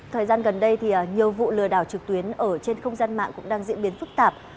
thời gian gần đây thì nhiều vụ lừa đảo trực tuyến ở trên không gian mạng cũng đang diễn biến phức tạp